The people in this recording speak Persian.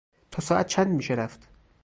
تا ساعت چند میشه رفت؟